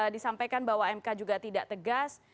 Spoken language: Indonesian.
disampaikan bahwa mk juga tidak tegas